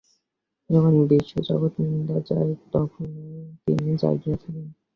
যখন বিশ্ব জগৎ নিদ্রা যায়, তখনও তিনি জাগিয়া থাকেন।